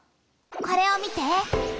これを見て。